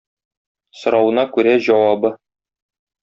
Соравына күрә җавабы.